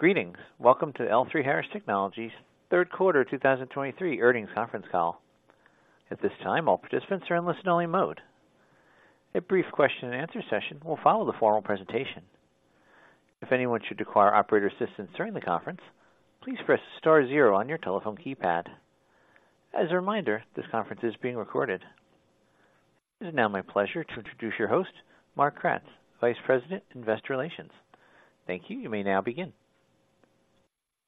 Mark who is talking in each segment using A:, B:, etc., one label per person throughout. A: Greetings. Welcome to L3Harris Technologies' Q3 2023 Earnings Conference Call. At this time, all participants are in listen-only mode. A brief question and answer session will follow the formal presentation. If anyone should require operator assistance during the conference, please press star zero on your telephone keypad. As a reminder, this conference is being recorded. It is now my pleasure to introduce your host, Mark Kratz, Vice President, Investor Relations. Thank you. You may now begin.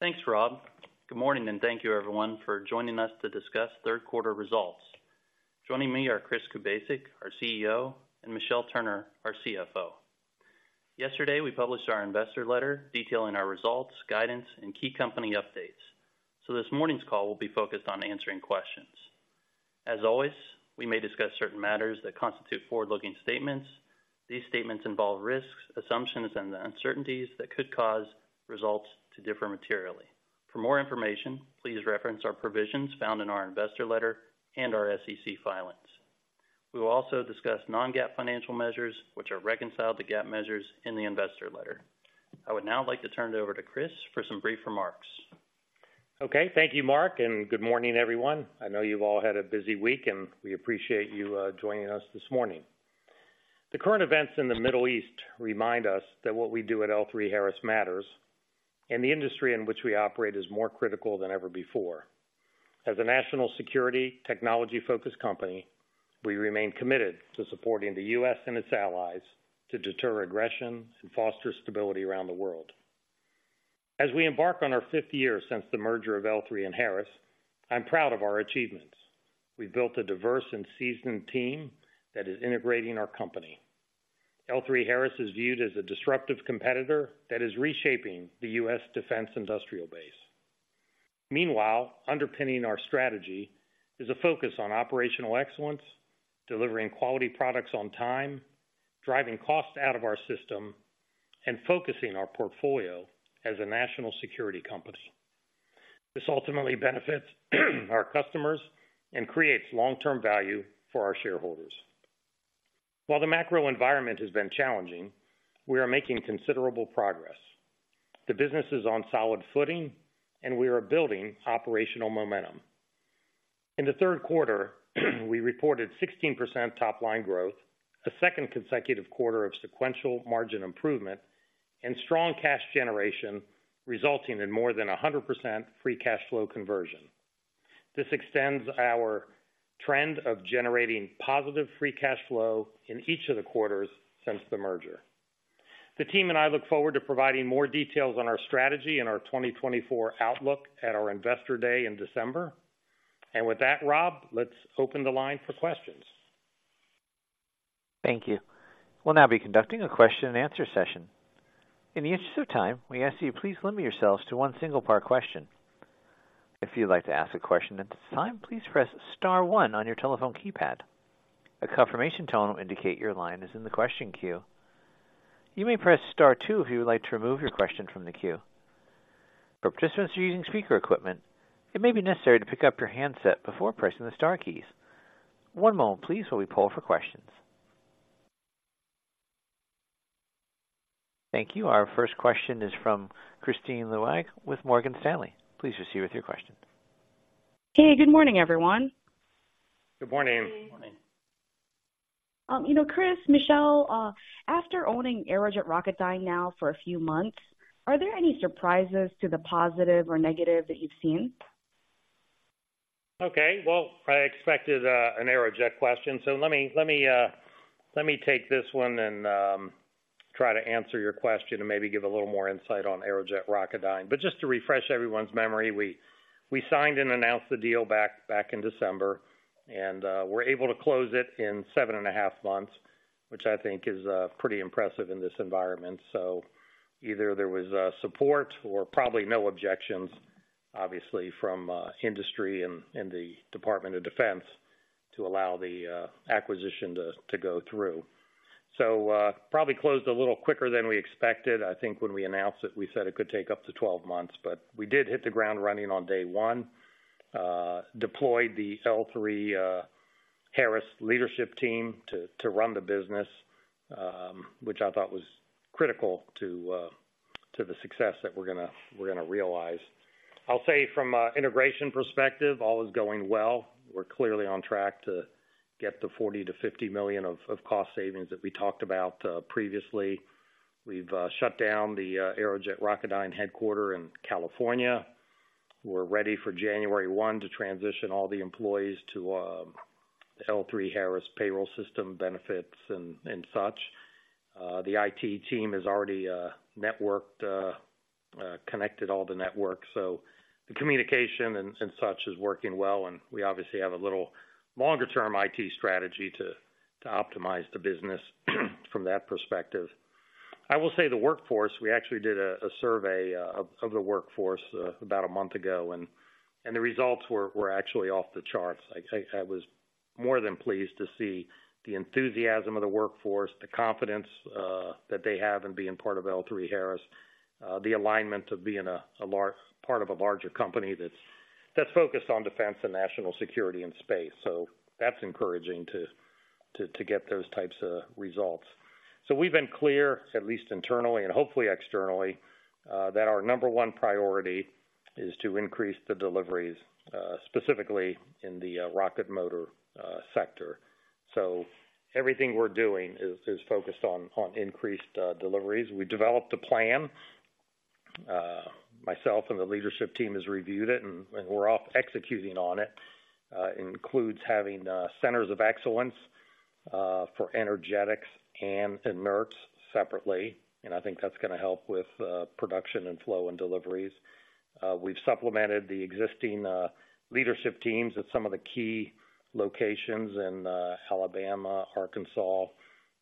B: Thanks, Rob. Good morning, and thank you, everyone, for joining us to discuss Q3 results. Joining me are Chris Kubasik, our CEO, and Michelle Turner, our CFO. Yesterday, we published our investor letter detailing our results, guidance, and key company updates, so this morning's call will be focused on answering questions. As always, we may discuss certain matters that constitute forward-looking statements. These statements involve risks, assumptions, and uncertainties that could cause results to differ materially. For more information, please reference our provisions found in our investor letter and our SEC filings. We will also discuss non-GAAP financial measures, which are reconciled to GAAP measures in the investor letter. I would now like to turn it over to Chris for some brief remarks.
C: Okay. Thank you, Mark, and good morning, everyone. I know you've all had a busy week, and we appreciate you joining us this morning. The current events in the Middle East remind us that what we do at L3Harris matters, and the industry in which we operate is more critical than ever before. As a national security, technology-focused company, we remain committed to supporting the U.S. and its allies to deter aggression and foster stability around the world. As we embark on our fifth year since the merger of L3 and Harris, I'm proud of our achievements. We've built a diverse and seasoned team that is integrating our company. L3Harris is viewed as a disruptive competitor that is reshaping the U.S. defense industrial base. Meanwhile, underpinning our strategy is a focus on operational excellence, delivering quality products on time, driving costs out of our system, and focusing our portfolio as a national security company. This ultimately benefits our customers and creates long-term value for our shareholders. While the macro environment has been challenging, we are making considerable progress. The business is on solid footing, and we are building operational momentum. In Q3, we reported 16% top-line growth, a second consecutive quarter of sequential margin improvement, and strong cash generation, resulting in more than 100% free cash flow conversion. This extends our trend of generating positive free cash flow in each of the quarters since the merger. The team and I look forward to providing more details on our strategy and our 2024 outlook at our Investor Day in December. With that, Rob, let's open the line for questions.
A: Thank you. We'll now be conducting a question and answer session. In the interest of time, we ask you to please limit yourselves to one single part question. If you'd like to ask a question at this time, please press star one on your telephone keypad. A confirmation tone will indicate your line is in the question queue. You may press star two if you would like to remove your question from the queue. For participants who are using speaker equipment, it may be necessary to pick up your handset before pressing the star keys. One moment, please, while we poll for questions. Thank you. Our first question is from Kristine Liwag with Morgan Stanley. Please proceed with your question.
D: Hey, good morning, everyone.
C: Good morning.
B: Good morning.
D: You know, Chris, Michelle, after owning Aerojet Rocketdyne now for a few months, are there any surprises to the positive or negative that you've seen?
C: Okay. Well, I expected an Aerojet question, so let me take this one and try to answer your question and maybe give a little more insight on Aerojet Rocketdyne. But just to refresh everyone's memory, we signed and announced the deal back in December, and we're able to close it in 7.5 months, which I think is pretty impressive in this environment. So either there was support or probably no objections, obviously, from industry and the Department of Defense to allow the acquisition to go through. So probably closed a little quicker than we expected. I think when we announced it, we said it could take up to 12 months, but we did hit the ground running on day one, deployed the L3Harris leadership team to run the business, which I thought was critical to the success that we're gonna realize. I'll say from an integration perspective, all is going well. We're clearly on track to get the $40 million-$50 million of cost savings that we talked about, previously. We've shut down the Aerojet Rocketdyne headquarters in California. We're ready for January 1 to transition all the employees to L3Harris' payroll system, benefits and such. The IT team has already networked connected all the networks, so the communication and such is working well, and we obviously have a little longer-term IT strategy to optimize the business from that perspective. I will say the workforce, we actually did a survey of the workforce about a month ago, and the results were actually off the charts. I was more than pleased to see the enthusiasm of the workforce, the confidence that they have in being part of L3Harris, the alignment of being a large part of a larger company that's focused on defense and national security and space. So that's encouraging to get those types of results. So we've been clear, at least internally and hopefully externally, that our number one priority is to increase the deliveries, specifically in the rocket motor sector. So everything we're doing is focused on increased deliveries. We developed a plan, myself and the leadership team has reviewed it, and we're off executing on it. Includes having centers of excellence for energetics and inerts separately, and I think that's gonna help with production and flow and deliveries. We've supplemented the existing leadership teams at some of the key locations in Alabama, Arkansas,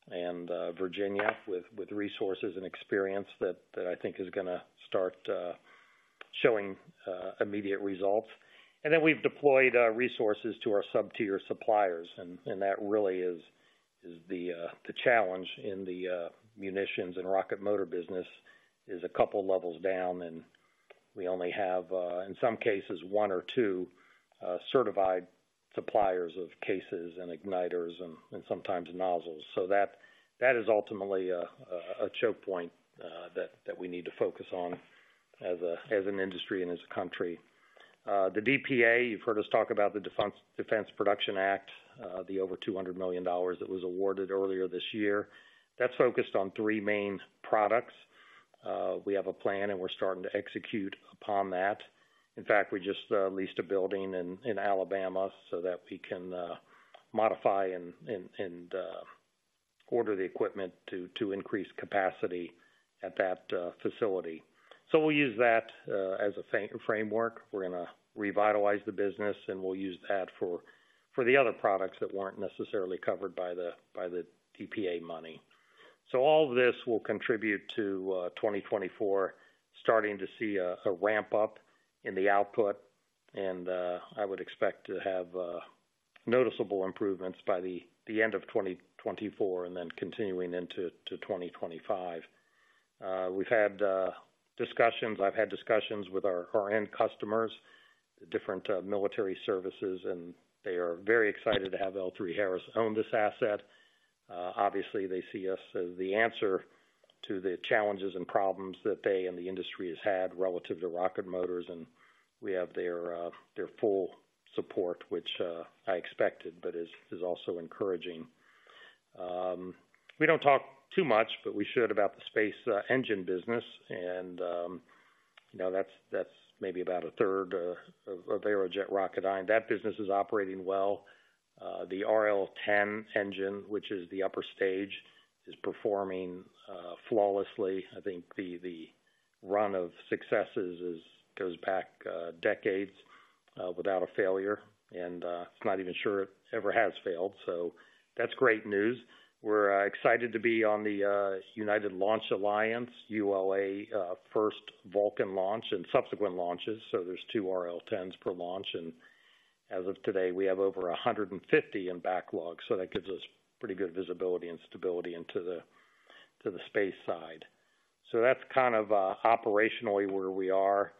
C: and Virginia, with resources and experience that I think is gonna start showing immediate results. And then we've deployed resources to our sub-tier suppliers, and that really is the challenge in the munitions and rocket motor business, is a couple levels down, and we only have, in some cases, one or two certified suppliers of cases and igniters and sometimes nozzles. So that is ultimately a choke point that we need to focus on as an industry and as a country. The DPA, you've heard us talk about the Defense Production Act, the over $200 million that was awarded earlier this year. That's focused on three main products. We have a plan, and we're starting to execute upon that. In fact, we just leased a building in Alabama so that we can modify and order the equipment to increase capacity at that facility. So we'll use that as a framework. We're gonna revitalize the business, and we'll use that for the other products that weren't necessarily covered by the DPA money. So all this will contribute to 2024, starting to see a ramp up in the output, and I would expect to have noticeable improvements by the end of 2024, and then continuing into 2025. We've had discussions—I've had discussions with our end customers, different military services, and they are very excited to have L3Harris own this asset. Obviously, they see us as the answer to the challenges and problems that they and the industry has had relative to rocket motors, and we have their full support, which I expected, but is also encouraging. We don't talk too much, but we should about the space engine business, and you know, that's maybe about a third of Aerojet Rocketdyne. That business is operating well. The RL10 engine, which is the upper stage, is performing flawlessly. I think the run of successes goes back decades without a failure, and it's not even sure it ever has failed, so that's great news. We're excited to be on the United Launch Alliance, ULA, first Vulcan launch and subsequent launches, so there's 2 RL10s per launch, and as of today, we have over 150 in backlog, so that gives us pretty good visibility and stability into the to the space side. So that's kind of operationally where we are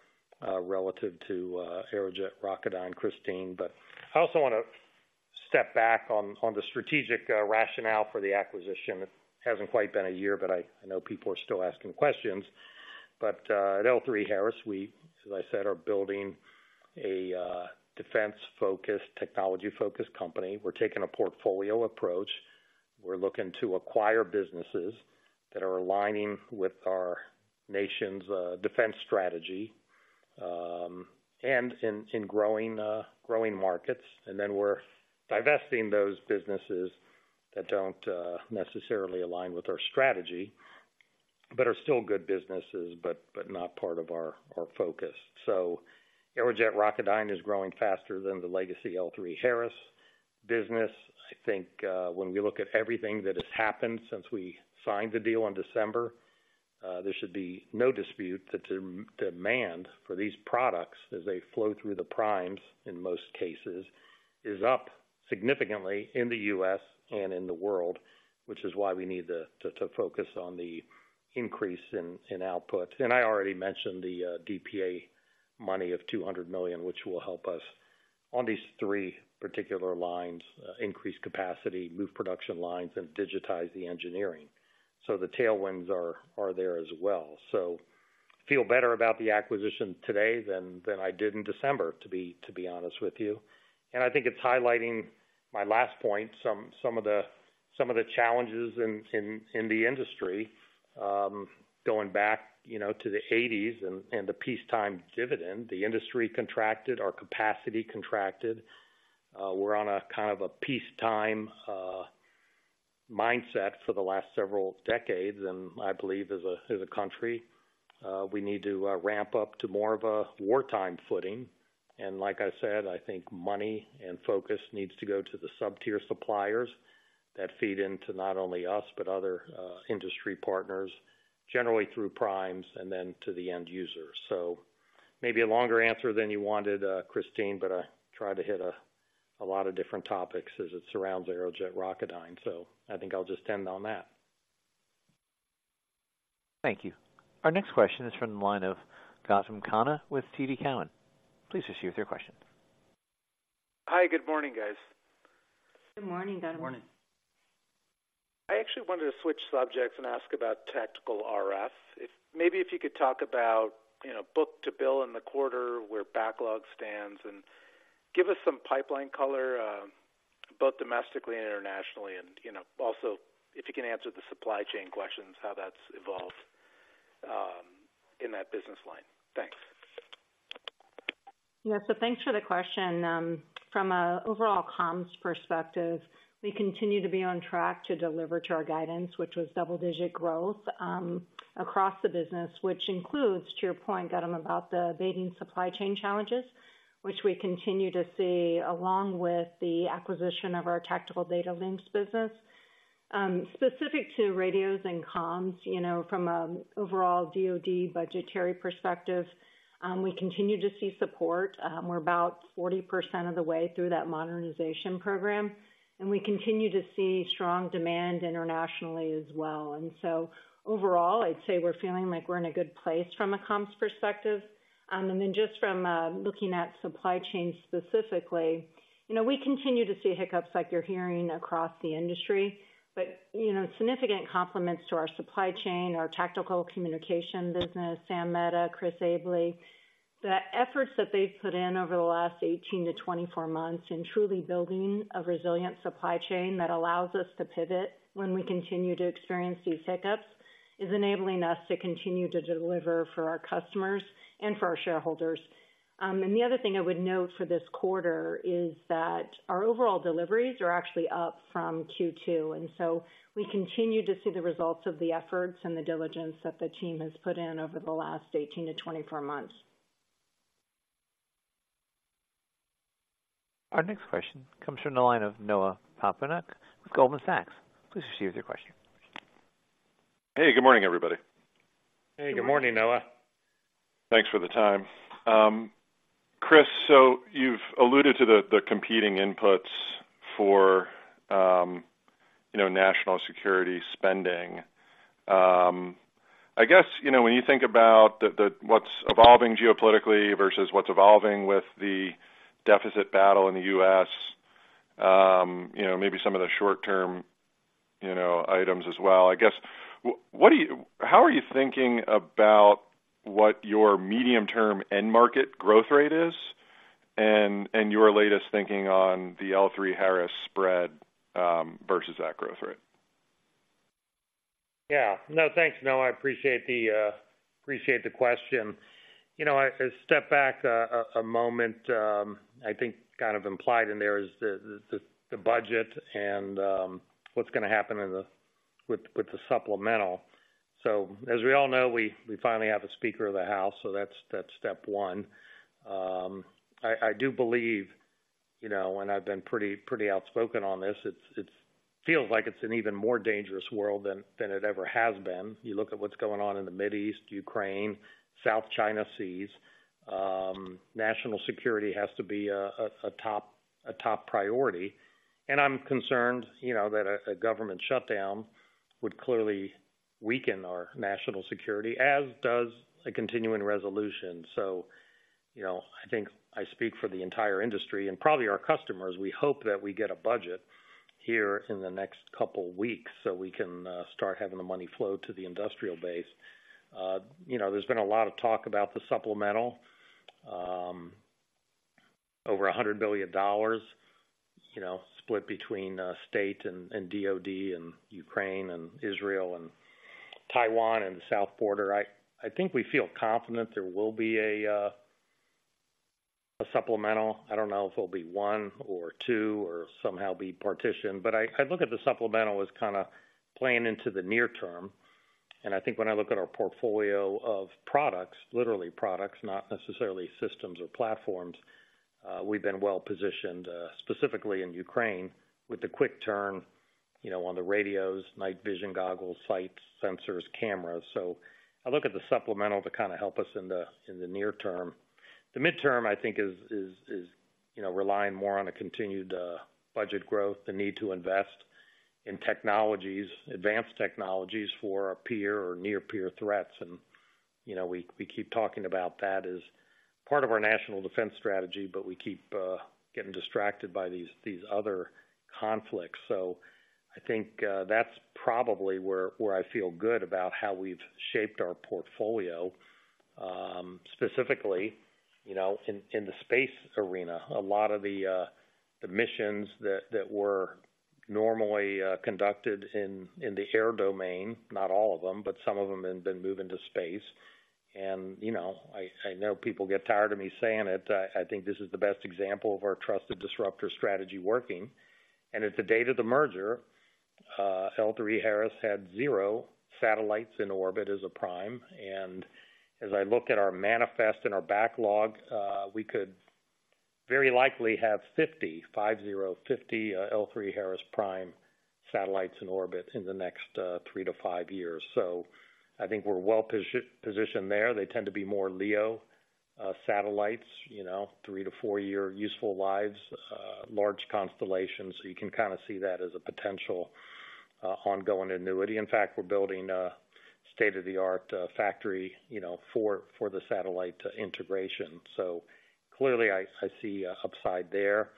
C: relative to Aerojet Rocketdyne, Kristine. But I also wanna step back on the strategic rationale for the acquisition. It hasn't quite been a year, but I know people are still asking questions. But at L3Harris, we, as I said, are building a defense-focused, technology-focused company. We're taking a portfolio approach. We're looking to acquire businesses that are aligning with our nation's defense strategy and in growing markets. And then we're divesting those businesses that don't necessarily align with our strategy, but are still good businesses, but not part of our focus. So Aerojet Rocketdyne is growing faster than the legacy L3Harris business. I think when we look at everything that has happened since we signed the deal in December, there should be no dispute that the demand for these products, as they flow through the primes, in most cases, is up significantly in the U.S. and in the world, which is why we need to focus on the increase in output. And I already mentioned the DPA money of $200 million, which will help us on these three particular lines, increase capacity, move production lines, and digitize the engineering. So the tailwinds are there as well. So, feel better about the acquisition today than I did in December, to be honest with you. And I think it's highlighting my last point, some of the challenges in the industry. Going back, you know, to the '80s and the peacetime dividend, the industry contracted, our capacity contracted. We're on a kind of a peacetime mindset for the last several decades, and I believe as a country, we need to ramp up to more of a wartime footing. And like I said, I think money and focus needs to go to the sub-tier suppliers that feed into not only us, but other industry partners, generally through primes and then to the end user. So maybe a longer answer than you wanted, Kristine, but I tried to hit a lot of different topics as it surrounds Aerojet Rocketdyne, so I think I'll just end on that.
A: Thank you. Our next question is from the line of Gautam Khanna with TD Cowen. Please proceed with your question.
E: Hi, good morning, guys.
F: Good morning, Gautam.
C: Good morning.
E: I actually wanted to switch subjects and ask about tactical RF. If, maybe if you could talk about, you know, book-to-bill in the quarter, where backlog stands, and give us some pipeline color, both domestically and internationally, and, you know, also, if you can answer the supply chain questions, how that's evolved, in that business line. Thanks.
F: Yeah. So thanks for the question. From an overall comms perspective, we continue to be on track to deliver to our guidance, which was double-digit growth, across the business, which includes, to your point, Gautam, about the beating supply chain challenges, which we continue to see, along with the acquisition of our tactical data links business. Specific to radios and comms, you know, from an overall DoD budgetary perspective, we continue to see support. We're about 40% of the way through that modernization program, and we continue to see strong demand internationally as well. And so overall, I'd say we're feeling like we're in a good place from a comms perspective. And then just from looking at supply chain specifically, you know, we continue to see hiccups like you're hearing across the industry, but, you know, significant compliments to our supply chain, our tactical communication business, Samir Mehta, Chris Abele. The efforts that they've put in over the last 18-24 months in truly building a resilient supply chain that allows us to pivot when we continue to experience these hiccups, is enabling us to continue to deliver for our customers and for our shareholders. And the other thing I would note for this quarter is that our overall deliveries are actually up from Q2, and so we continue to see the results of the efforts and the diligence that the team has put in over the last 18-24 months.
A: Our next question comes from the line of Noah Poponak with Goldman Sachs. Please proceed with your question.
G: Hey, good morning, everybody.
C: Hey, good morning, Noah.
G: Thanks for the time. Chris, so you've alluded to the competing inputs for, you know, national security spending. I guess, you know, when you think about the, what's evolving geopolitically versus what's evolving with the deficit battle in the U.S., you know, maybe some of the short-term, you know, items as well. I guess, how are you thinking about what your medium-term end market growth rate is, and your latest thinking on the L3Harris spread, versus that growth rate?
C: Yeah. No, thanks, Noah. I appreciate the question. You know, I step back a moment. I think kind of implied in there is the budget and what's gonna happen with the supplemental. So as we all know, we finally have a speaker of the House, so that's step one. I do believe, you know, and I've been pretty outspoken on this, it feels like it's an even more dangerous world than it ever has been. You look at what's going on in the Middle East, Ukraine, South China Sea, national security has to be a top priority. And I'm concerned, you know, that a government shutdown would clearly weaken our national security, as does a continuing resolution. So, you know, I think I speak for the entire industry and probably our customers, we hope that we get a budget here in the next couple weeks, so we can start having the money flow to the industrial base. You know, there's been a lot of talk about the supplemental over $100 billion, you know, split between State and DoD and Ukraine and Israel and Taiwan and the South border. I think we feel confident there will be a supplemental. I don't know if there'll be one or two or somehow be partitioned, but I look at the supplemental as kind of playing into the near term. I think when I look at our portfolio of products, literally products, not necessarily systems or platforms, we've been well positioned, specifically in Ukraine, with the quick turn, you know, on the radios, night vision goggles, sights, sensors, cameras. So I look at the supplemental to kind of help us in the near term. The midterm, I think is, you know, relying more on a continued budget growth, the need to invest in technologies, advanced technologies for our peer or near peer threats. And, you know, we keep talking about that as part of our national defense strategy, but we keep getting distracted by these other conflicts. So I think that's probably where I feel good about how we've shaped our portfolio, specifically, you know, in the space arena. A lot of the missions that were normally conducted in the air domain, not all of them, but some of them have been moving to space. And, you know, I know people get tired of me saying it, I think this is the best example of our Trusted Disruptor strategy working. And at the date of the merger, L3Harris had zero satellites in orbit as a prime. And as I look at our manifest and our backlog, we could very likely have 50 L3Harris prime satellites in orbit in the next three to five years years. So I think we're well positioned there. They tend to be more LEO satellites, you know, three-to-four-year useful lives, large constellations. So you can kind of see that as a potential ongoing annuity. In fact, we're building a state-of-the-art factory, you know, for the satellite integration. So clearly, I see an upside there.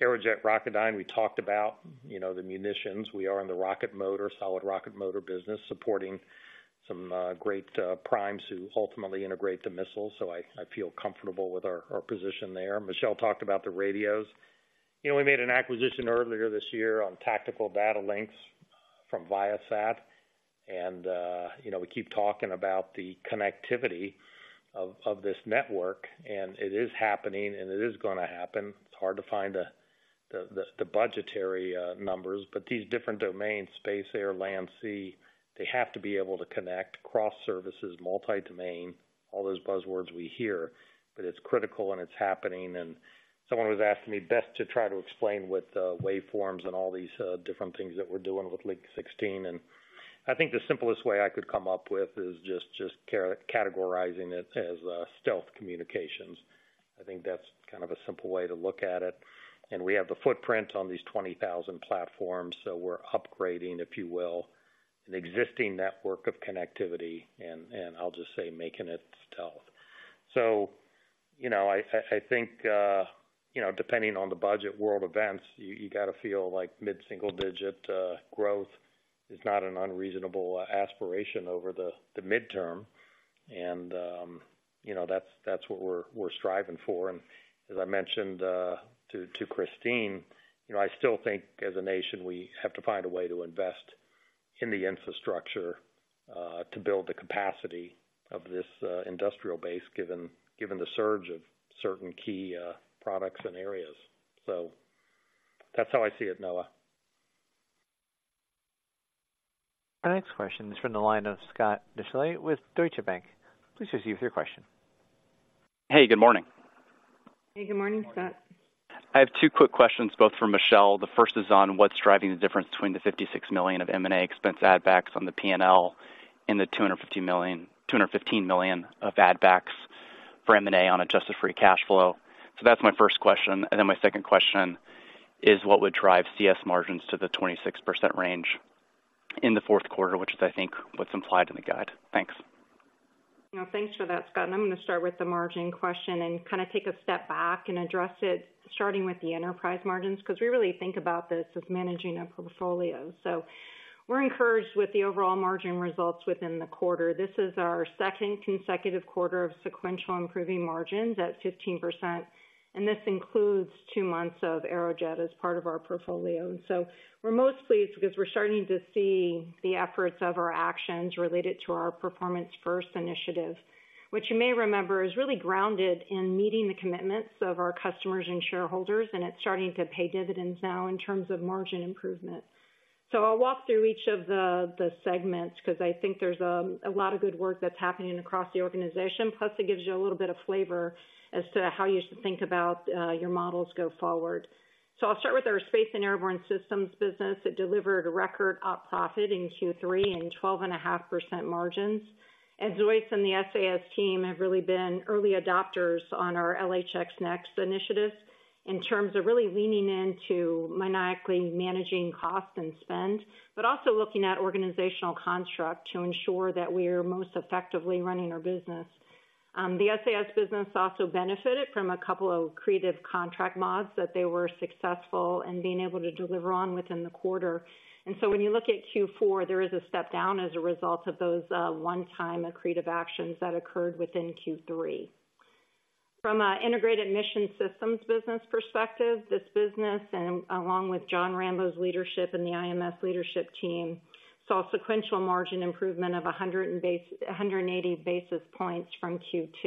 C: Aerojet Rocketdyne, we talked about, you know, the munitions. We are in the rocket motor, solid rocket motor business, supporting some great primes who ultimately integrate the missiles. So I feel comfortable with our position there. Michelle talked about the radios. You know, we made an acquisition earlier this year on tactical data links from Viasat, and, you know, we keep talking about the connectivity of this network, and it is happening, and it is gonna happen. It's hard to find the budgetary numbers, but these different domains, space, air, land, sea, they have to be able to connect cross services, multi-domain, all those buzzwords we hear, but it's critical, and it's happening. Someone was asking me best to try to explain what the waveforms and all these different things that we're doing with Link 16, and I think the simplest way I could come up with is just categorizing it as stealth communications. I think that's kind of a simple way to look at it. And we have the footprint on these 20,000 platforms, so we're upgrading, if you will, an existing network of connectivity, and I'll just say, making it stealth. So, you know, I think, you know, depending on the budget world events, you got to feel like mid-single-digit growth is not an unreasonable aspiration over the midterm. And, you know, that's what we're striving for. As I mentioned to Kristine, you know, I still think as a nation, we have to find a way to invest in the infrastructure to build the capacity of this industrial base, given the surge of certain key products and areas. So that's how I see it, Noah.
A: Our next question is from the line of Scott Deuschle with Deutsche Bank. Please proceed with your question.
H: Hey, good morning.
F: Hey, good morning, Scott.
H: I have two quick questions, both for Michelle. The first is on what's driving the difference between the $56 million of M&A expense add backs on the P&L and the $250 million-$215 million of add backs for M&A on adjusted free cash flow. So that's my first question. And then my second question is, what would drive CS margins to the 26% range in Q4, which is, I think, what's implied in the guide? Thanks.
F: You know, thanks for that, Scott. I'm going to start with the margin question and kind of take a step back and address it, starting with the enterprise margins, because we really think about this as managing a portfolio. We're encouraged with the overall margin results within the quarter. This is our second consecutive quarter of sequential improving margins at 15%, and this includes two months of Aerojet as part of our portfolio. We're most pleased because we're starting to see the efforts of our actions related to our Performance First initiative, which you may remember, is really grounded in meeting the commitments of our customers and shareholders, and it's starting to pay dividends now in terms of margin improvement. So I'll walk through each of the, the segments, because I think there's a lot of good work that's happening across the organization, plus it gives you a little bit of flavor as to how you should think about your models go forward. So I'll start with our space and airborne systems business. It delivered a record op profit in Q3 and 12.5% margins. And Zoiss and the SAS team have really been early adopters on our LHX NeXt initiatives in terms of really leaning into maniacally managing cost and spend, but also looking at organizational construct to ensure that we are most effectively running our business. The SAS business also benefited from a couple of creative contract mods, that they were successful in being able to deliver on within the quarter. When you look at Q4, there is a step down as a result of those one-time accretive actions that occurred within Q3. From an integrated mission systems business perspective, this business, along with Jon Rambeau's leadership and the IMS leadership team, saw sequential margin improvement of 180 basis points from Q2.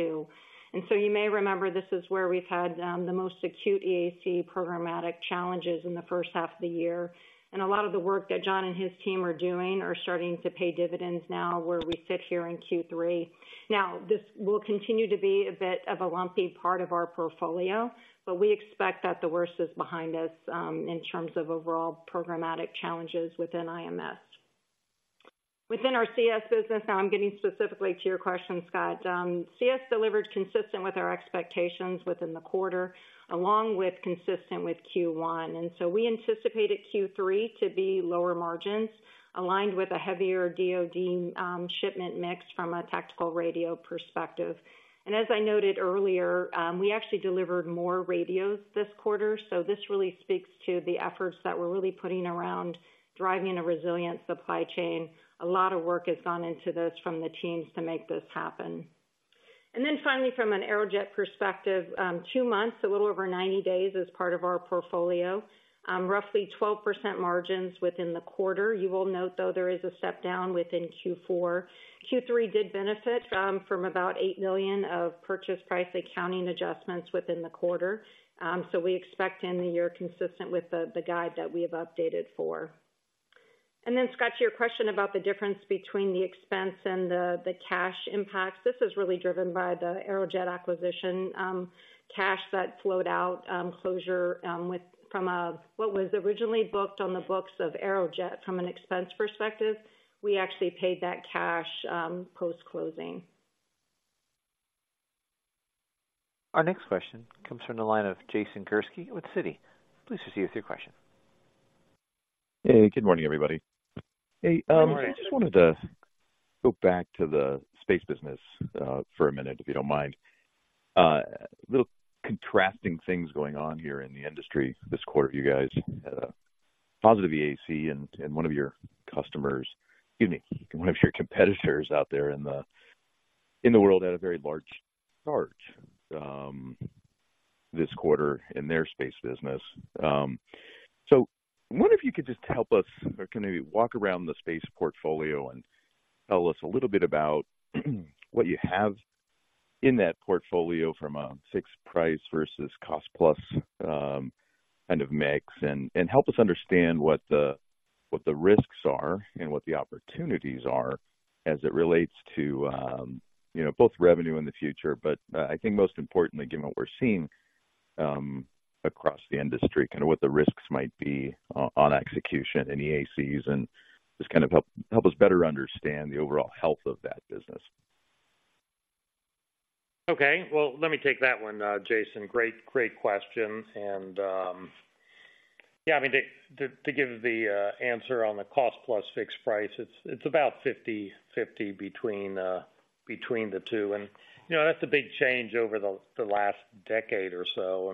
F: You may remember, this is where we've had the most acute EAC programmatic challenges in H1. A lot of the work that John and his team are doing are starting to pay dividends now, where we sit here in Q3. Now, this will continue to be a bit of a lumpy part of our portfolio, but we expect that the worst is behind us in terms of overall programmatic challenges within IMS. Within our CS business, now I'm getting specifically to your question, Scott. CS delivered consistent with our expectations within the quarter, along with consistent with Q1, and so we anticipated Q3 to be lower margins, aligned with a heavier DoD shipment mix from a tactical radio perspective. And as I noted earlier, we actually delivered more radios this quarter. So this really speaks to the efforts that we're really putting around driving a resilient supply chain. A lot of work has gone into this from the teams to make this happen. And then finally, from an Aerojet perspective, two months, a little over 90 days as part of our portfolio, roughly 12% margins within the quarter. You will note, though, there is a step down within Q4. Q3 did benefit from about $8 million of purchase price accounting adjustments within the quarter. So we expect in the year, consistent with the guide that we have updated for. And then, Scott, to your question about the difference between the expense and the cash impacts, this is really driven by the Aerojet acquisition. Cash that flowed out, closure, from what was originally booked on the books of Aerojet. From an expense perspective, we actually paid that cash post-closing.
A: Our next question comes from the line of Jason Gursky with Citi. Please proceed with your question.
F: Hey, good morning, everybody.
C: Good morning.
I: Hey, I just wanted to go back to the space business for a minute, if you don't mind. Little contrasting things going on here in the industry this quarter, you guys, positive EAC in one of your customers, excuse me, one of your competitors out there in the world, had a very large charge this quarter in their space business. I wonder if you could just help us, or can you walk around the space portfolio and tell us a little bit about what you have in that portfolio from a fixed price versus cost plus kind of mix, and help us understand what the risks are and what the opportunities are as it relates to, you know, both revenue in the future, but I think most importantly, given what we're seeing across the industry, kind of what the risks might be on execution and EACs, and just kind of help us better understand the overall health of that business.
C: Okay. Well, let me take that one, Jason. Great, great question. And, yeah, I mean, to give the answer on the cost plus fixed price, it's about 50/50 between the two. And, you know, that's a big change over the last decade or so. I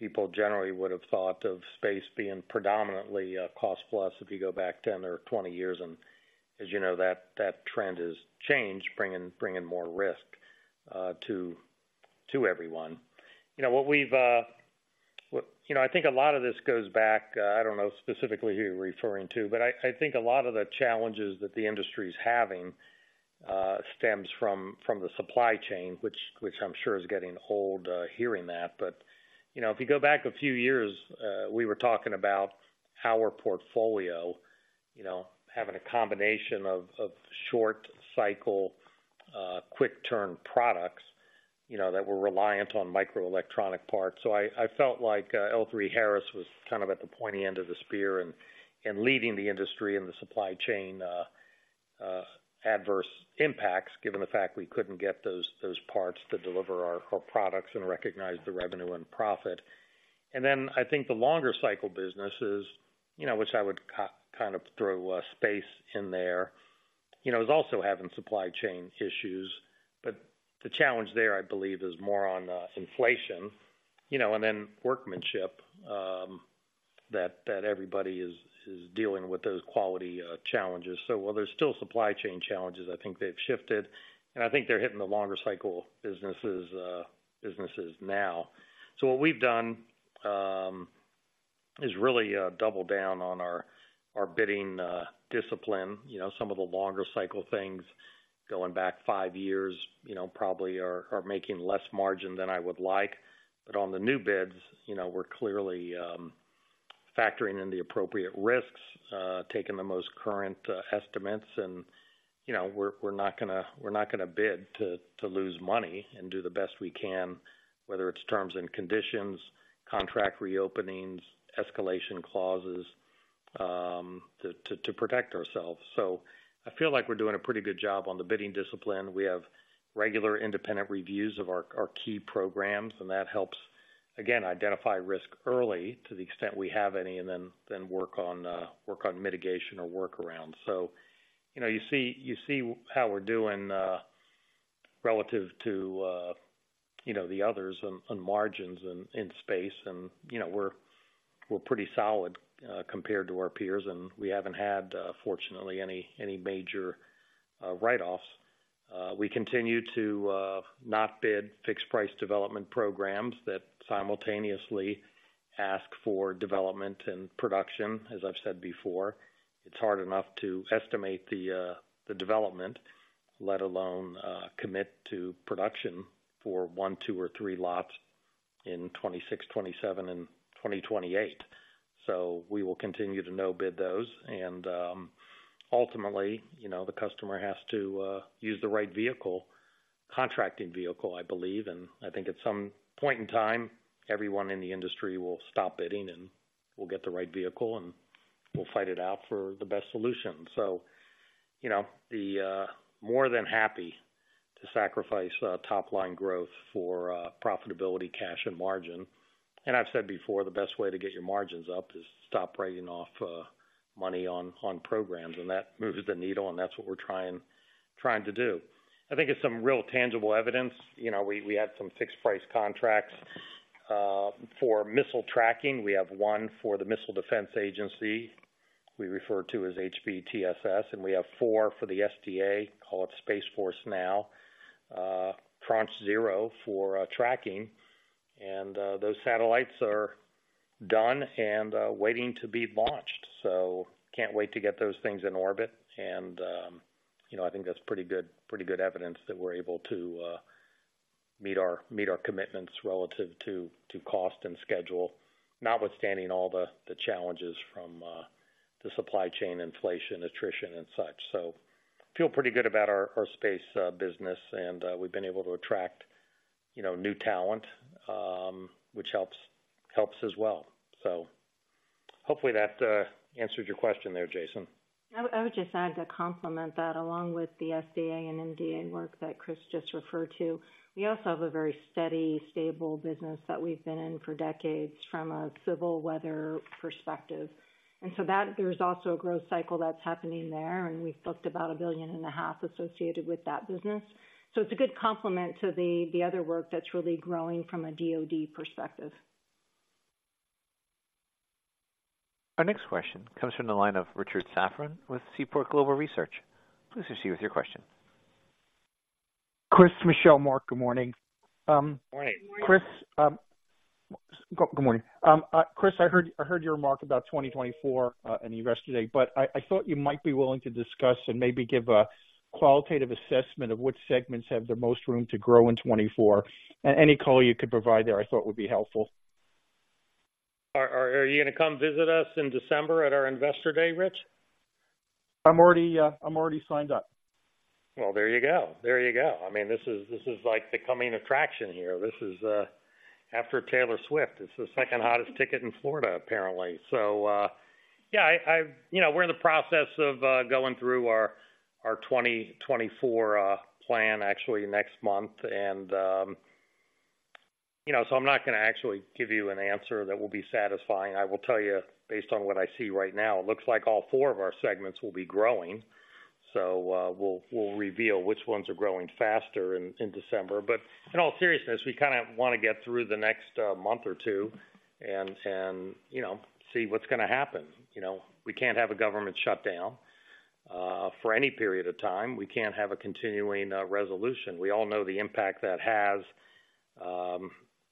C: mean, people generally would have thought of space being predominantly cost plus if you go back 10 or 20 years, and as you know, that trend has changed, bringing more risk to everyone. You know, I think a lot of this goes back, I don't know specifically who you're referring to, but I think a lot of the challenges that the industry is having stems from the supply chain, which I'm sure is getting old hearing that. But, you know, if you go back a few years, we were talking about our portfolio, you know, having a combination of short cycle, quick turn products, you know, that were reliant on microelectronic parts. So I felt like L3Harris was kind of at the pointy end of the spear and leading the industry in the supply chain adverse impacts, given the fact we couldn't get those parts to deliver our products and recognize the revenue and profit. And then I think the longer cycle businesses, you know, which I would kind of throw space in there, you know, is also having supply chain issues. But the challenge there, I believe, is more on inflation, you know, and then workmanship, that everybody is dealing with those quality challenges. So while there's still supply chain challenges, I think they've shifted, and I think they're hitting the longer cycle businesses now. So what we've done is really double down on our bidding discipline. You know, some of the longer cycle things going back five years, you know, probably are making less margin than I would like. But on the new bids, you know, we're clearly factoring in the appropriate risks, taking the most current estimates. And, you know, we're not gonna bid to lose money and do the best we can, whether it's terms and conditions, contract re-openings, escalation clauses, to protect ourselves. So I feel like we're doing a pretty good job on the bidding discipline. We have regular independent reviews of our key programs, and that helps, again, identify risk early to the extent we have any, and then work on mitigation or workaround. So, you know, you see how we're doing relative to, you know, the others on margins in space. And, you know, we're pretty solid compared to our peers, and we haven't had, fortunately, any major write-offs. We continue to not bid fixed price development programs that simultaneously ask for development and production. As I've said before, it's hard enough to estimate the development, let alone commit to production for 1, 2, or 3 lots in 2026, 2027, and 2028. So we will continue to no bid those. Ultimately, you know, the customer has to use the right vehicle, contracting vehicle, I believe. I think at some point in time, everyone in the industry will stop bidding, and we'll get the right vehicle, and we'll fight it out for the best solution. You know, more than happy to sacrifice top-line growth for profitability, cash, and margin. I've said before, the best way to get your margins up is to stop writing off money on programs, and that moves the needle, and that's what we're trying to do. I think it's some real tangible evidence. You know, we had some fixed price contracts for missile tracking. We have one for the Missile Defense Agency, we refer to as HBTSS, and we have four for the SDA, call it Space Force now, Tranche 0 for tracking. And those satellites are done and waiting to be launched, so can't wait to get those things in orbit. And, you know, I think that's pretty good, pretty good evidence that we're able to meet our, meet our commitments relative to, to cost and schedule, notwithstanding all the, the challenges from the supply chain inflation, attrition, and such. So feel pretty good about our, our space business. And we've been able to attract, you know, new talent, which helps, helps as well. Hopefully, that answers your question there, Jason.
F: I would just add to complement that, along with the SDA and MDA work that Chris just referred to, we also have a very steady, stable business that we've been in for decades from a civil weather perspective. And so that, there's also a growth cycle that's happening there, and we've booked about $1.5 billion associated with that business. So it's a good complement to the other work that's really growing from a DoD perspective.
A: Our next question comes from the line of Richard Safran with Seaport Global Research. Please proceed with your question.
J: Chris, Michelle, Mark, good morning.
C: Morning.
F: Good morning.
K: Chris, good morning. Chris, I heard, I heard your remark about 2024, and the Investor Day, but I, I thought you might be willing to discuss and maybe give a qualitative assessment of which segments have the most room to grow in 2024. Any color you could provide there, I thought would be helpful.
C: Are you gonna come visit us in December at our Investor Day, Rich?
J: I'm already, I'm already signed up.
K: Well, there you go. There you go. I mean, this is, this is like the coming attraction here. This is, after Taylor Swift, it's the second hottest ticket in Florida, apparently. Yeah, I, I've-- you know, we're in the process of going through our, our 2024 plan, actually, next month. You know, so I'm not gonna actually give you an answer that will be satisfying. I will tell you, based on what I see right now, it looks like all four of our segments will be growing. We'll reveal which ones are growing faster in December. In all seriousness, we kind of want to get through the next month or two and, you know, see what's gonna happen. You know, we can't have a government shutdown for any period of time.
C: We can't have a continuing resolution. We all know the impact that has,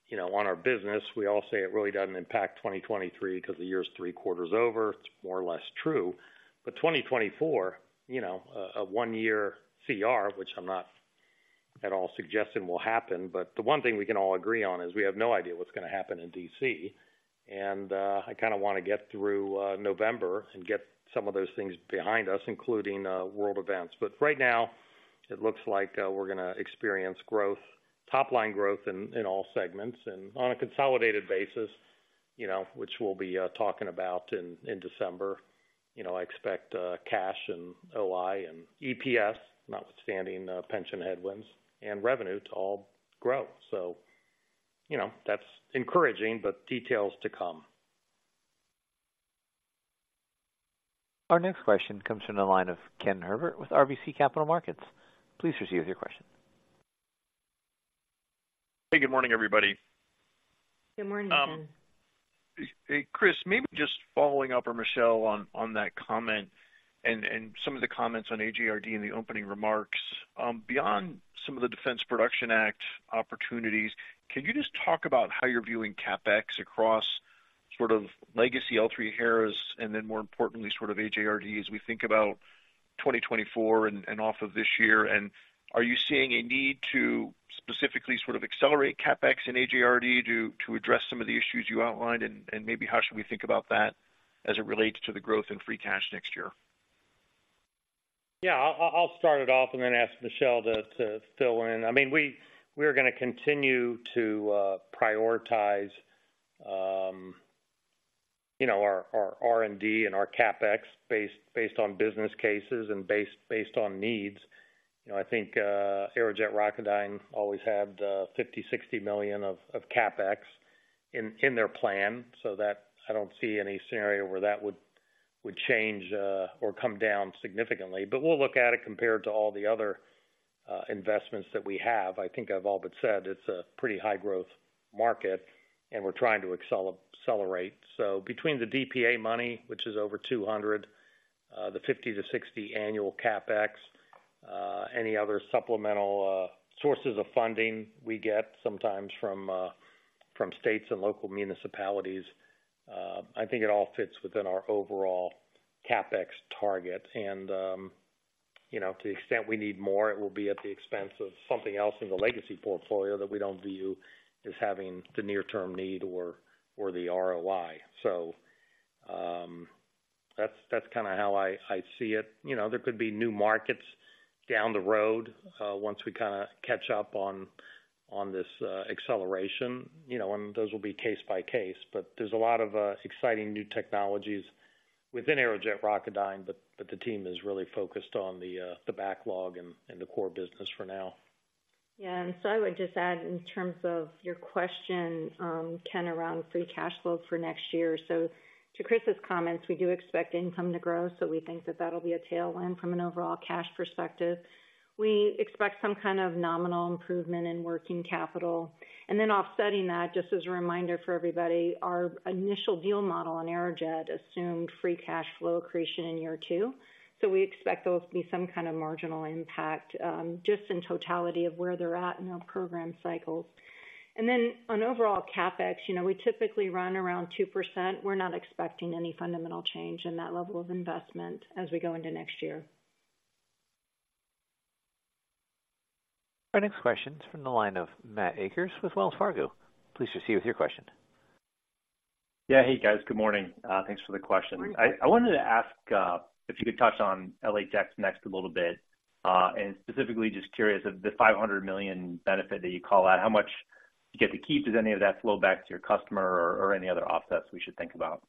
C: you know, on our business. We all say it really doesn't impact 2023 because the year is three quarters over. It's more or less true. But 2024, you know, a one-year CR, which I'm not at all suggesting will happen, but the one thing we can all agree on is we have no idea what's gonna happen in D.C. And, I kind of want to get through November and get some of those things behind us, including world events. But right now, it looks like we're gonna experience growth, top line growth in all segments. On a consolidated basis, you know, which we'll be talking about in December, you know, I expect cash and OI and EPS, notwithstanding pension headwinds and revenue to all grow. So, you know, that's encouraging, but details to come.
A: Our next question comes from the line of Ken Herbert with RBC Capital Markets. Please proceed with your question.
L: Hey, good morning, everybody.
F: Good morning, Ken.
L: Hey, Chris, maybe just following up, or Michelle, on that comment and some of the comments on AJRD in the opening remarks. Beyond some of the Defense Production Act opportunities, can you just talk about how you're viewing CapEx across sort of legacy L3Harris, and then more importantly, sort of AJRD, as we think about 2024 and off of this year? And are you seeing a need to specifically sort of accelerate CapEx in AJRD to address some of the issues you outlined? And maybe how should we think about that as it relates to the growth in free cash next year?
C: Yeah, I'll start it off and then ask Michelle to fill in. I mean, we're gonna continue to prioritize, you know, our R&D and our CapEx based on business cases and based on needs. You know, I think Aerojet Rocketdyne always had $50-$60 million of CapEx in their plan, so that I don't see any scenario where that would change or come down significantly. But we'll look at it compared to all the other investments that we have. I think I've all but said it's a pretty high growth market, and we're trying to accelerate. So between the DPA money, which is over $200, the $50-$60 annual CapEx, any other supplemental sources of funding we get sometimes from states and local municipalities, I think it all fits within our overall CapEx target. And, you know, to the extent we need more, it will be at the expense of something else in the legacy portfolio that we don't view as having the near-term need or the ROI. So, that's kind of how I see it. You know, there could be new markets down the road, once we kind of catch up on this acceleration, you know, and those will be case by case. There's a lot of exciting new technologies within Aerojet Rocketdyne, but the team is really focused on the backlog and the core business for now.
F: Yeah, and so I would just add, in terms of your question, Ken, around free cash flow for next year. So to Chris's comments, we do expect income to grow, so we think that that'll be a tailwind from an overall cash perspective. We expect some kind of nominal improvement in working capital. And then offsetting that, just as a reminder for everybody, our initial deal model on Aerojet assumed free cash flow accretion in year two. So we expect those to be some kind of marginal impact, just in totality of where they're at in the program cycles. And then on overall CapEx, you know, we typically run around 2%. We're not expecting any fundamental change in that level of investment as we go into next year.
A: Our next question is from the line of Matt Akers with Wells Fargo. Please proceed with your question.
M: Yeah. Hey, guys, good morning. Thanks for the question. I, I wanted to ask if you could touch on LHX NeXt a little bit, and specifically just curious of the $500 million benefit that you call out, how much- ...
C: you get to keep, does any of that flow back to your customer or, or any other offsets we should think about?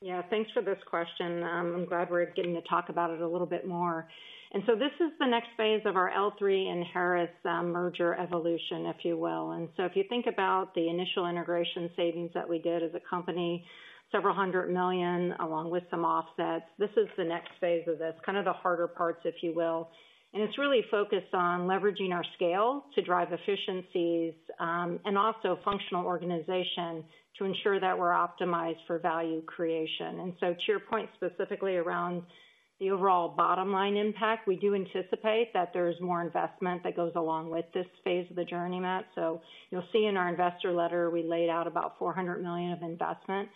F: Yeah, thanks for this question. I'm glad we're getting to talk about it a little bit more. And so this is the next phase of our L3 and Harris merger evolution, if you will. And so if you think about the initial integration savings that we did as a company, several hundred million, along with some offsets, this is the next phase of this, kind of the harder parts, if you will. And it's really focused on leveraging our scale to drive efficiencies, and also functional organization to ensure that we're optimized for value creation. And so to your point, specifically around the overall bottom line impact, we do anticipate that there is more investment that goes along with this phase of the journey, Matt. So you'll see in our investor letter, we laid out about $400 million of investment,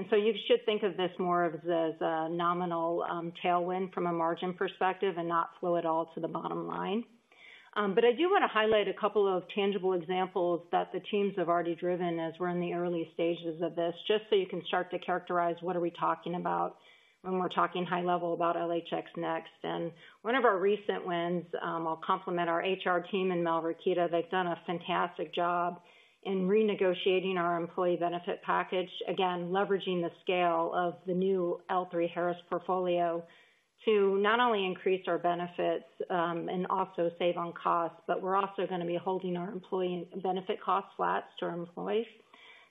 F: and so you should think of this more of as a nominal tailwind from a margin perspective and not flow it all to the bottom line. But I do want to highlight a couple of tangible examples that the teams have already driven as we're in the early stages of this, just so you can start to characterize what are we talking about when we're talking high level about LHX NeXt. And one of our recent wins, I'll compliment our HR team and Mel Ancheta, they've done a fantastic job in renegotiating our employee benefit package. Again, leveraging the scale of the new L3Harris portfolio to not only increase our benefits and also save on costs, but we're also going to be holding our employee benefit costs flat to our employees.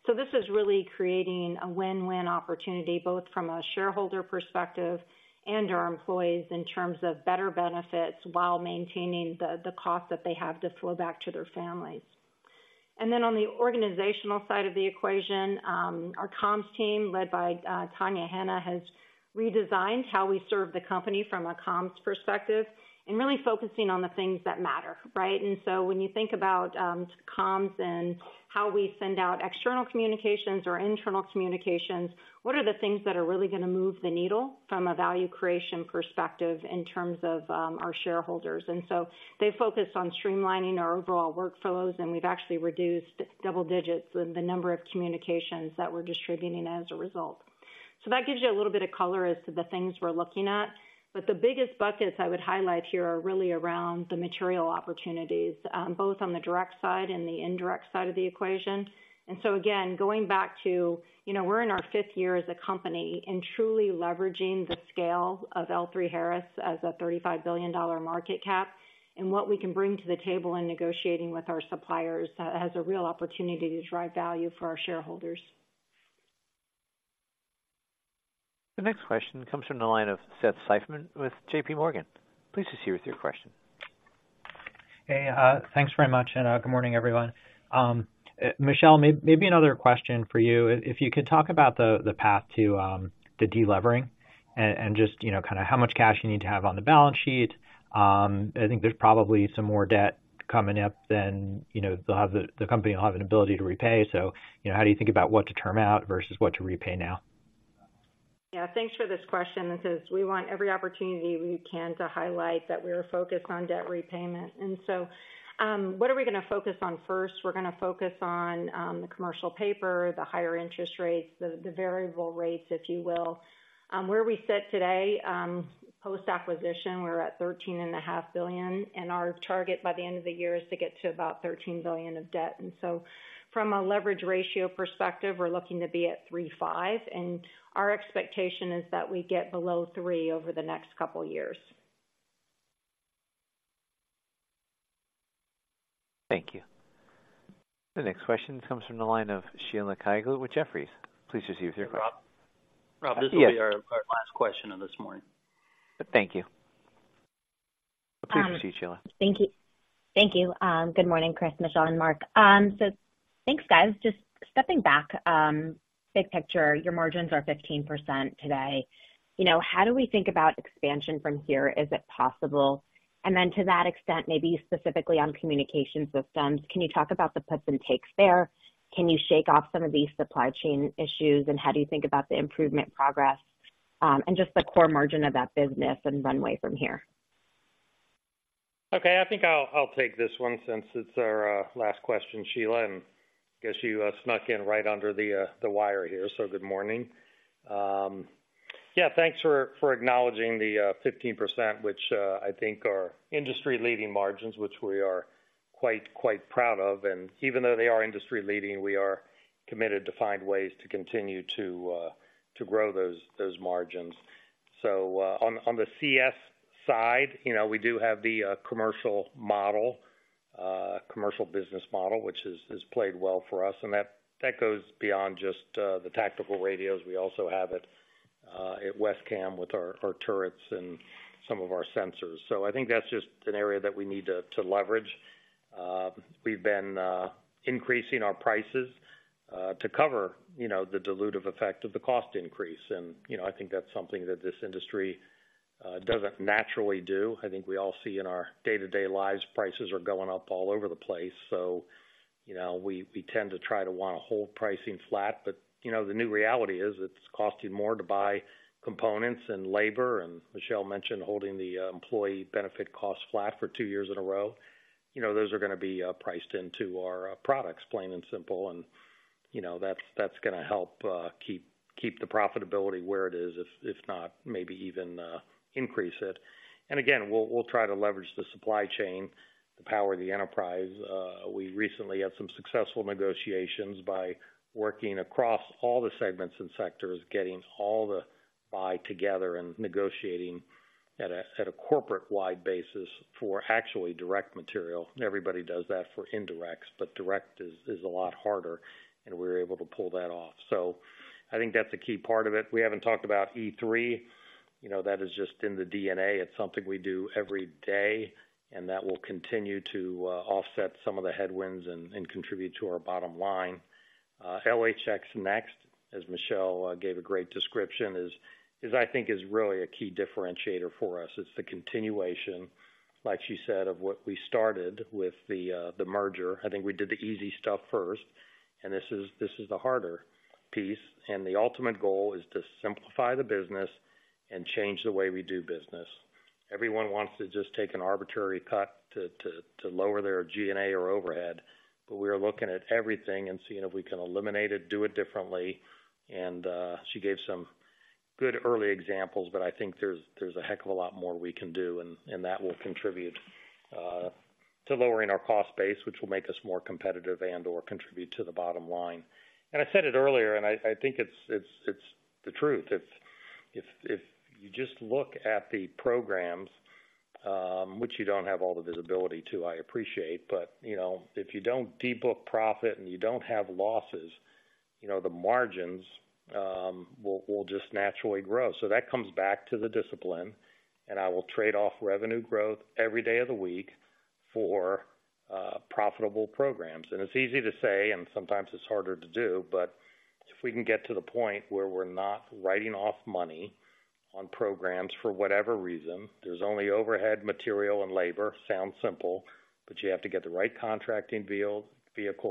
F: So this is really creating a win-win opportunity, both from a shareholder perspective and our employees, in terms of better benefits while maintaining the cost that they have to flow back to their families. And then on the organizational side of the equation, our comms team, led by Tania Hanna, has redesigned how we serve the company from a comms perspective and really focusing on the things that matter, right? And so when you think about, comms and how we send out external communications or internal communications, what are the things that are really going to move the needle from a value creation perspective in terms of, our shareholders? And so they've focused on streamlining our overall workflows, and we've actually reduced double digits in the number of communications that we're distributing as a result. So that gives you a little bit of color as to the things we're looking at. But the biggest buckets I would highlight here are really around the material opportunities, both on the direct side and the indirect side of the equation. And so again, going back to, you know, we're in our fifth year as a company and truly leveraging the scale of L3Harris as a $35 billion market cap, and what we can bring to the table in negotiating with our suppliers has a real opportunity to drive value for our shareholders.
A: The next question comes from the line of Seth Seifman with JPMorgan. Please proceed with your question.
N: Hey, thanks very much, and good morning, everyone. Michelle, maybe another question for you. If you could talk about the path to the de-levering and just, you know, kind of how much cash you need to have on the balance sheet. I think there's probably some more debt coming up than, you know, the company will have an ability to repay. So, you know, how do you think about what to term out versus what to repay now?
F: Yeah, thanks for this question, since we want every opportunity we can to highlight that we are focused on debt repayment. And so, what are we going to focus on first? We're going to focus on, the commercial paper, the higher interest rates, the, the variable rates, if you will. Where we sit today, post-acquisition, we're at $13.5 billion, and our target by the end of the year is to get to about $13 billion of debt. And so from a leverage ratio perspective, we're looking to be at 3.5, and our expectation is that we get below 3 over the next couple years.
A: Thank you. The next question comes from the line of Sheila Kahyaoglu with Jefferies. Please proceed with your question.
C: Rob? Rob, this will be our-
A: Yes.
C: Our last question of this morning.
A: Thank you. Please proceed, Sheila.
O: Thank you. Thank you. Good morning, Chris, Michelle, and Mark. So thanks, guys. Just stepping back, big picture, your margins are 15% today. You know, how do we think about expansion from here? Is it possible? And then to that extent, maybe specifically on communication systems, can you talk about the puts and takes there? Can you shake off some of these supply chain issues, and how do you think about the improvement progress, and just the core margin of that business and runway from here?
C: Okay, I think I'll take this one since it's our last question, Sheila, and I guess you snuck in right under the wire here, so good morning. Yeah, thanks for acknowledging the 15%, which I think are industry-leading margins, which we are quite, quite proud of. Even though they are industry-leading, we are committed to find ways to continue to grow those margins. On the CS side, you know, we do have the commercial model, commercial business model, which has played well for us, and that goes beyond just the tactical radios. We also have it at WESCAM with our turrets and some of our sensors. I think that's just an area that we need to leverage. We've been increasing our prices to cover, you know, the dilutive effect of the cost increase. And, you know, I think that's something that this industry doesn't naturally do. I think we all see in our day-to-day lives, prices are going up all over the place. So, you know, we, we tend to try to want to hold pricing flat, but, you know, the new reality is, it's costing more to buy components and labor, and Michelle mentioned holding the employee benefit costs flat for two years in a row. You know, those are going to be priced into our products, plain and simple, and you know, that's, that's gonna help keep, keep the profitability where it is, if, if not, maybe even increase it. And again, we'll, we'll try to leverage the supply chain to power the enterprise. We recently had some successful negotiations by working across all the segments and sectors, getting all the buy together and negotiating at a corporate-wide basis for actually direct material. Everybody does that for indirects, but direct is a lot harder, and we were able to pull that off. So I think that's a key part of it. We haven't talked about E3. You know, that is just in the DNA. It's something we do every day, and that will continue to offset some of the headwinds and contribute to our bottom line. LHX NeXt, as Michelle gave a great description, is, I think, really a key differentiator for us. It's the continuation, like she said, of what we started with the merger. I think we did the easy stuff first, and this is the harder piece, and the ultimate goal is to simplify the business and change the way we do business. Everyone wants to just take an arbitrary cut to lower their G&A or overhead, but we are looking at everything and seeing if we can eliminate it, do it differently. And she gave some good early examples, but I think there's a heck of a lot more we can do, and that will contribute to lowering our cost base, which will make us more competitive and/or contribute to the bottom line. And I said it earlier, and I think it's the truth. If you just look at the programs, which you don't have all the visibility to, I appreciate, but, you know, if you don't de-book profit and you don't have losses, you know, the margins will just naturally grow. So that comes back to the discipline, and I will trade off revenue growth every day of the week for profitable programs. And it's easy to say, and sometimes it's harder to do, but if we can get to the point where we're not writing off money on programs for whatever reason, there's only overhead, material, and labor. Sounds simple, but you have to get the right contracting vehicle,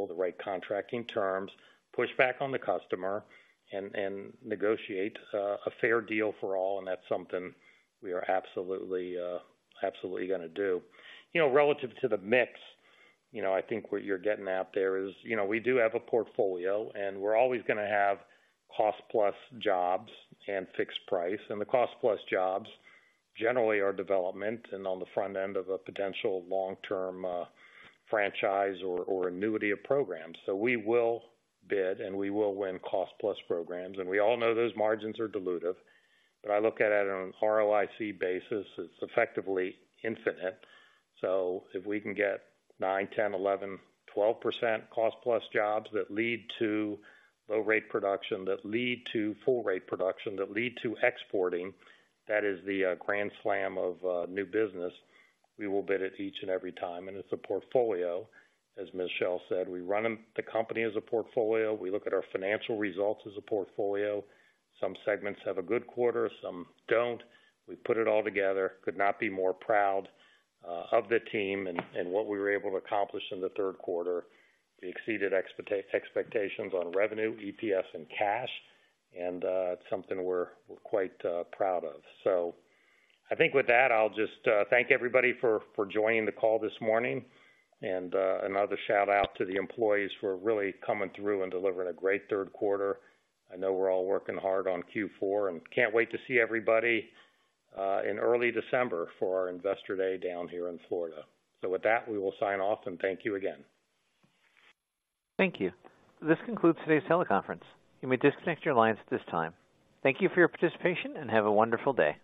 C: the right contracting terms, push back on the customer, and negotiate a fair deal for all, and that's something we are absolutely gonna do. You know, relative to the mix, you know, I think what you're getting at there is, you know, we do have a portfolio, and we're always gonna have cost plus jobs and fixed price, and the cost plus jobs generally are development and on the front end of a potential long-term, franchise or, or annuity of programs. So we will bid, and we will win cost plus programs, and we all know those margins are dilutive. But I look at it on an ROIC basis, it's effectively infinite. So if we can get nine, 10, 11, 12% cost plus jobs that lead to low rate production, that lead to full rate production, that lead to exporting, that is the, grand slam of, new business. We will bid it each and every time, and it's a portfolio, as Michelle said. We run them, the company as a portfolio. We look at our financial results as a portfolio. Some segments have a good quarter, some don't. We put it all together. Could not be more proud of the team and what we were able to accomplish in Q3. We exceeded expectations on revenue, EPS, and cash, and it's something we're quite proud of. So I think with that, I'll just thank everybody for joining the call this morning. And another shout-out to the employees for really coming through and delivering a great Q3. I know we're all working hard on Q4 and can't wait to see everybody in early December for our Investor Day down here in Florida. So with that, we will sign off and thank you again.
A: Thank you. This concludes today's teleconference. You may disconnect your lines at this time. Thank you for your participation, and have a wonderful day.